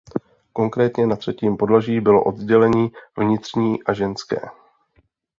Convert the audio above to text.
Konkrétně na třetím podlaží bylo oddělení vnitřní a ženské.